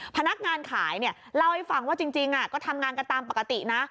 พนักงานขายเนี่ยเล่าให้ฟังว่าจริงก็ทำงานกันตามปกตินะ